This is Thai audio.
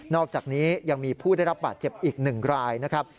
อกจากนี้ยังมีผู้ได้รับบาดเจ็บอีก๑รายนะครับ